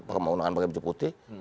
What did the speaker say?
pake maunaan pakai baju putih